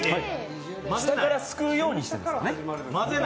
下からすくうようにして。